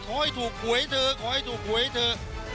ขอให้ถูกหวยเธอขอให้ถูกหวยเถอะ